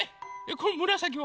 このむらさきは？